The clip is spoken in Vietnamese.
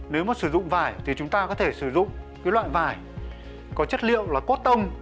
nếu mà sử dụng vải thì chúng ta có thể sử dụng cái loại vải có chất liệu là cốt tông